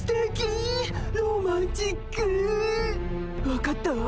分かったわ。